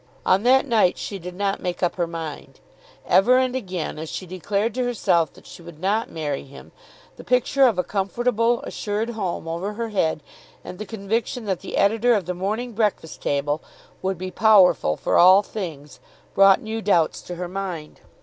On that night she did not make up her mind. Ever and again as she declared to herself that she would not marry him, the picture of a comfortable assured home over her head, and the conviction that the editor of the "Morning Breakfast Table" would be powerful for all things, brought new doubts to her mind.